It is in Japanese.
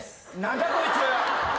何だこいつ！？